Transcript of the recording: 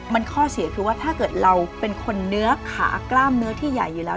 มันข้อเสียคือว่าถ้าเกิดเราเป็นคนเนื้อขากล้ามเนื้อที่ใหญ่อยู่แล้ว